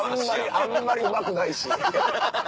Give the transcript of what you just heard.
あんまりうまくないし。